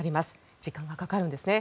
時間がかかるんですね。